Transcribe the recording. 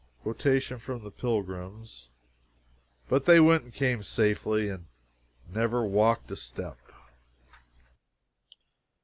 [Quotation from the Pilgrims.] But they went and came safely, and never walked a step.